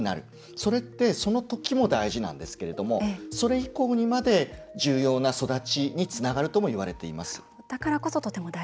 それって、その時も大事なんですけれどもそれ以降にまで重要な育ちにつながるともいわれています。